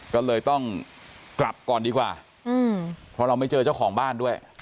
ก็เลยต้องกลับก่อนดีกว่าเพราะเราไม่เจอเจ้าของบ้านด้วย